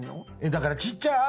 だからちっちゃい「あ」